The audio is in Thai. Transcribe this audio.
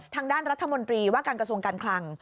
ทางด้านรัฐมนตรีว่าการกระทรวงการคลัง